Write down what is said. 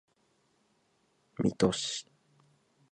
水戸市